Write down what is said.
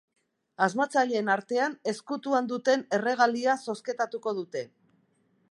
Asmatzaileen artean ezkutuan duten erregalia zozketatuko dute.